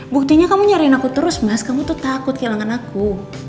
buktinya kamu nyariin aku terus mas kamu tuh takut kehilangan aku